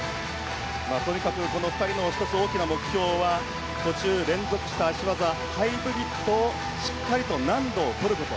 とにかくこの２人の、１つ大きな目標は途中、連続した脚技ハイブリッドをしっかりと難度を取ること。